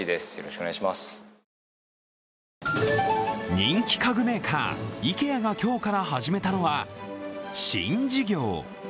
人気家具メーカーＩＫＥＡが今日から始めたのは新事業。